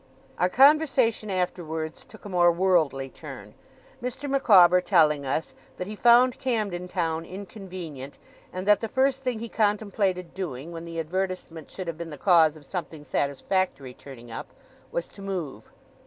Our conversation, afterwards, took a more worldly turn; Mr. Micawber telling us that he found Camden Town inconvenient, and that the first thing he contemplated doing, when the advertisement should have been the cause of something satisfactory turning up, was to move.